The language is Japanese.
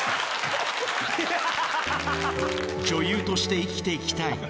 ⁉「女優として生きて行きたい」